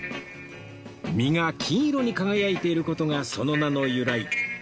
身が金色に輝いている事がその名の由来